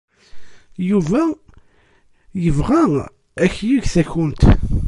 Yuba yella yebɣa ad ak-yeg takunt.